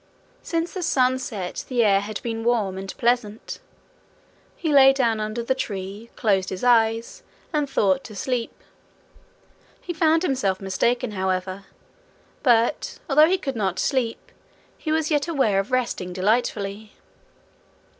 Since the sun set the air had been warm and pleasant. He lay down under the tree, closed his eyes, and thought to sleep. He found himself mistaken, however. But although he could not sleep, he was yet aware of resting delightfully.